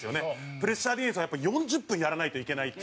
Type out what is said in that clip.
プレッシャーディフェンスは４０分やらないといけないって。